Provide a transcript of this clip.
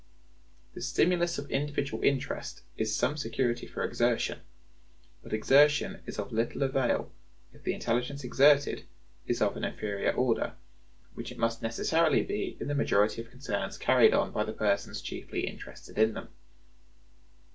The stimulus of individual interest is some security for exertion, but exertion is of little avail if the intelligence exerted is of an inferior order, which it must necessarily be in the majority of concerns carried on by the persons chiefly interested in them.